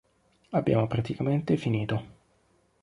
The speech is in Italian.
Abbiamo praticamente finito.